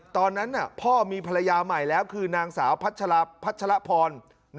ตอนนั้นพ่อมีภรรยาใหม่แล้วคือนางสาวพัชรพร